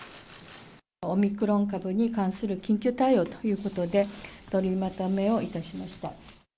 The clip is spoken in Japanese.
オミクロン株に関する緊急対応ということで、取りまとめをいたしました。